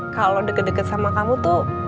kalau deket deket sama kamu tuh